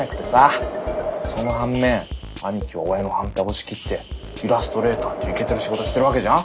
その反面兄貴は親の反対押し切ってイラストレーターっていうイケてる仕事してるわけじゃん。